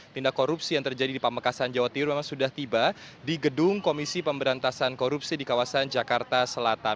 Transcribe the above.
tindak korupsi yang terjadi di pamekasan jawa timur memang sudah tiba di gedung komisi pemberantasan korupsi di kawasan jakarta selatan